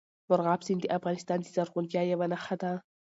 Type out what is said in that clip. مورغاب سیند د افغانستان د زرغونتیا یوه نښه ده.